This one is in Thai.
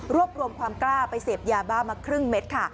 รวบรวมความกล้าไปเสพยาบ้ามาครึ่งเม็ดค่ะ